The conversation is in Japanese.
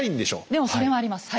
でもそれもありますはい。